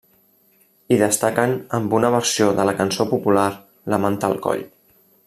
Hi destaquen amb una versió de la cançó popular La manta al coll.